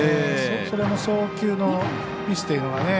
それも送球のミスというのがね。